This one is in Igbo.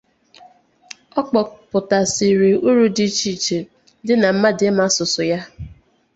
Ọ kpọpụtasịrị uru dị iche iche dị na mmadụ ịma asụ asụsụ ya